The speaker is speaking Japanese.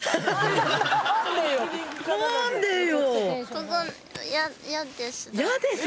ここ嫌です。